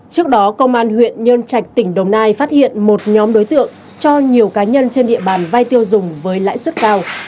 trước đó công an huyện nhân trạch tỉnh đồng nai phát hiện một nhóm đối tượng cho nhiều cá nhân trên địa bàn vay tiêu dùng với lãi suất cao